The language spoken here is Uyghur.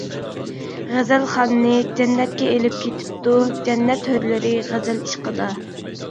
غەزەلخاننى جەننەتكە ئېلىپ كېتىپتۇ، جەننەت ھۆرلىرى غەزەل ئىشقىدا.